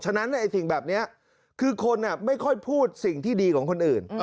ฉะนั้นสิ่งแบบนี้คือคนไม่ค่อยพูดสิ่งที่ดีของคนอื่น